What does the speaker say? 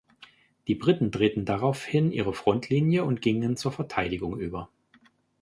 Die Briten drehten daraufhin ihre Frontlinie und gingen zur Verteidigung über.